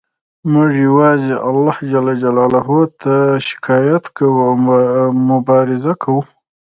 موږ یوازې الله ته شکایت کوو او مبارزه کوو